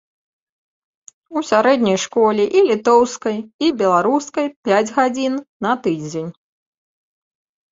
У сярэдняй школе і літоўскай, і беларускай пяць гадзін на тыдзень.